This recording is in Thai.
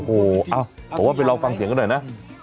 โอ้โหผมว่าไปลองฟังเสียงกันหน่อยนะ